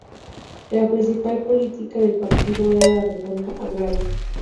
La principal política del partido era la reforma agraria.